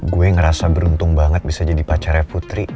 gue ngerasa beruntung banget bisa jadi pacarnya putri